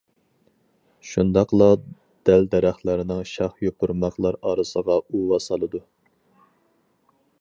شۇنداقلا دەل-دەرەخلەرنىڭ شاخ-يوپۇرماقلار ئارىسىغا ئۇۋا سالىدۇ.